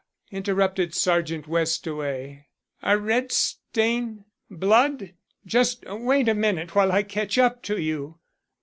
interrupted Sergeant Westaway. "A red stain blood? Just wait a minute while I catch up to you."